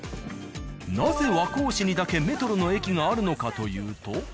なぜ和光市にだけメトロの駅があるのかというと。